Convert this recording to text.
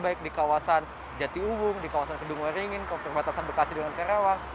baik di kawasan jati uwung di kawasan kedung waringin perbatasan bekasi dengan karawang